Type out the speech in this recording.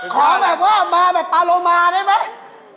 ขอแบบว่ามาแบบปาโลมาได้ไหม